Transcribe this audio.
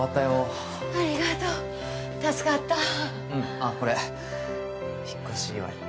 あっこれ引っ越し祝い。